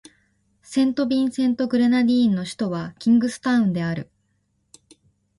セントビンセント・グレナディーンの首都はキングスタウンである